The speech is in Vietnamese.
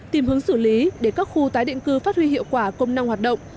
tìm hướng xử lý để các khu tái định cư phát huy hiệu quả công năng hoạt động